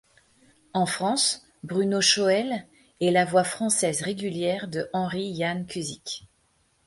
En France, Bruno Choël est la voix française régulière de Henry Ian Cusik.